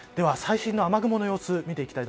では、最新の雨雲の様子です。